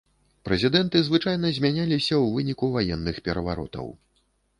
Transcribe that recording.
Прэзідэнты звычайна змяняліся ў выніку ваенных пераваротаў.